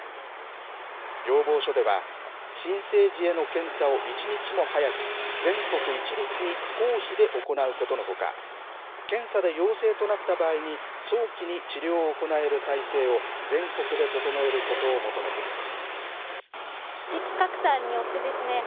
要望書では新生児への検査を１日でも早く全国一律に公費で行うことのほか検査で陽性となった場合に早期に治療を行える体制を全国で整えることを求めています。